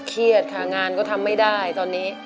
เครียดค่ะงานก็ทำไม่ได้ตอนนี้